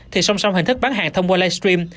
thì song song hình thức bán hàng thông qua live stream